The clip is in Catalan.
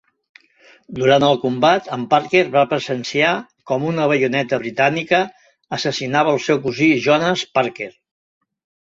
Durant el combat, en Parker va presenciar com una baioneta britànica assassinava el seu cosí Jonas Parker.